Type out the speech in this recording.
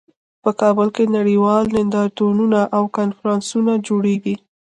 په کابل کې نړیوال نندارتونونه او کنفرانسونه جوړیږي